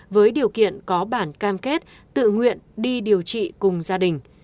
với điều kiện có bản cam kết tự nguyện đi điều trị cùng gia đình